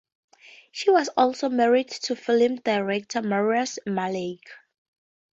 She was also married to film director Mariusz Malec.